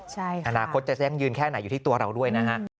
ใช่ค่ะค่ะอนาคตจะแส้มยืนแค่ไหนอยู่ที่ตัวเราด้วยนะฮะ